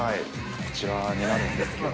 こちらになるんですけど。